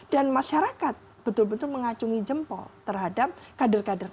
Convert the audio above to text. dan masyarakat betul betul mengacungi jempol terhadap kader kadernya